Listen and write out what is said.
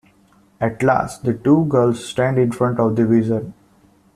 At last, the two girls stand in front of the Wizard.